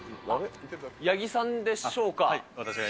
八木さんでしょうか。